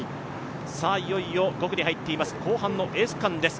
いよいよ５区に入っています、後半のエース区間です。